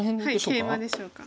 ケイマでしょうか。